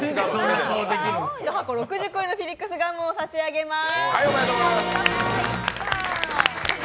１箱６０個入りのフィリックスガムを差し上げます。